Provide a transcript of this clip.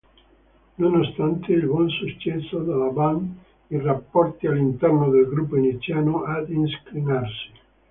Nonostante il buon successo della band, i rapporti all’interno del gruppo iniziano ad incrinarsi.